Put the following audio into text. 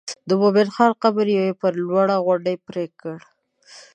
د مومن خان قبر یې پر لوړه غونډۍ پرېکړ.